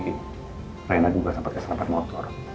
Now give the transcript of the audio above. reyna juga sampe kesan per motor